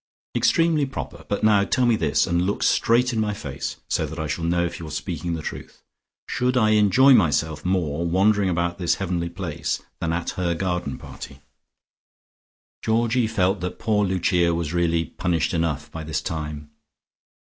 "Extremely proper. But now tell me this, and look straight in my face, so that I shall know if you're speaking the truth. Should I enjoy myself more wandering about this heavenly place than at her garden party?" Georgie felt that poor Lucia was really punished enough by this time.